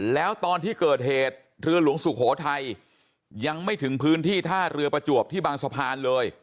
แล้วตอนที่เกิดเหตุเรือหลวงสุโขทัยยังไม่ถึงพื้นที่ท่าเรือประจวบที่บางสะพานเลย